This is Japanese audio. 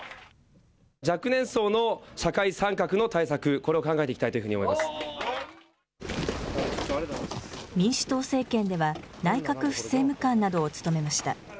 若年層の社会参画の対策、これを考えていきたいというふうに民主党政権では、内閣府政務官などを務めました。